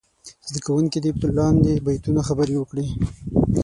زده کوونکي دې په لاندې بیتونو خبرې وکړي.